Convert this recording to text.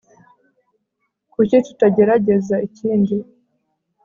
kuki tutagerageza ikindi